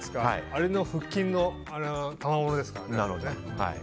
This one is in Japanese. あれは腹筋のたまものですからね。